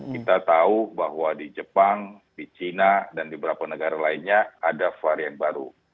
kita tahu bahwa di jepang di china dan di beberapa negara lainnya ada varian baru